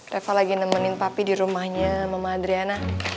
reva lagi nemenin papi di rumahnya mama adriana